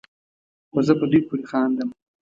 خو زه په دوی پورې خاندم